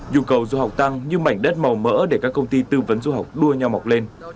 nhu cầu du học tăng như mảnh đất màu mỡ để các công ty tư vấn du học đua nhau mọc lên